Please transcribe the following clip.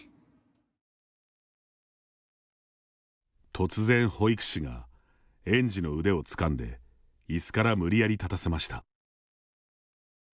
突然、保育士が園児の腕をつかんでいすから無理やり立たせました。